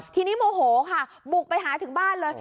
ทีนี้โมโหค่ะบุกไปหาถึงบ้านเลย